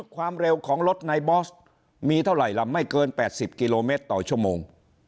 ความเร็วของรถนายบอสมีเท่าไหร่ล่ะไม่เกิน๘๐กิโลเมตรต่อชั่วโมง